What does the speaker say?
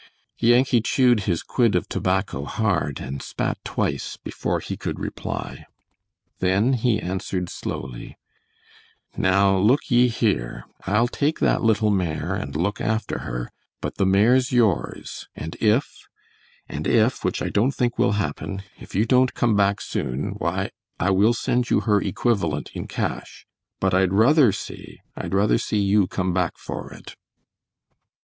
Yankee chewed his quid of tobacco hard and spat twice before he could reply. Then he answered slowly: "Now look ye here, I'll take that little mare and look after her, but the mare's yours and if and if which I don't think will happen if you don't come back soon, why I will send you her equivalent in cash; but I'd ruther see I'd ruther see you come back for it!"